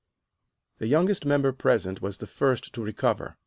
The youngest member present was the first to recover.